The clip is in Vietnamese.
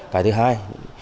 cái thứ hai